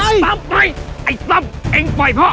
ไอ้ซับไปไอ้ซับอิงปล่อยพ่อ